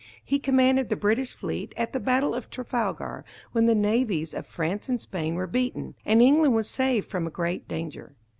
He commanded the British fleet at the battle of Trafalgar, when the navies of France and Spain were beaten, and England was saved from a great danger.